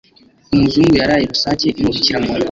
umuzungu yaraye rusake imubikira munda